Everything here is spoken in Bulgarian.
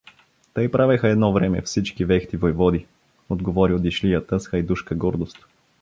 Тъй правеха едно време всички вехти войводи — отговорил Дишлията с хайдушка гордост.